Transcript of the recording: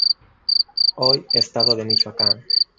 Hoy Estado de Michoacán.